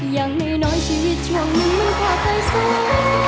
อย่างน้อยชีวิตช่วงนึงมันก็ค่อยสู้